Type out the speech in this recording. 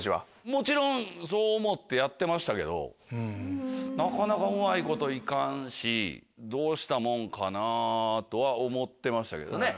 もちろんそう思ってやってましたけどなかなかうまいこと行かんしどうしたもんかなぁとは思ってましたけどね。